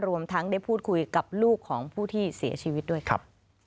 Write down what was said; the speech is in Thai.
รวมทั้งได้พูดคุยกับลูกของผู้ที่เสียชีวิตด้วยค่ะ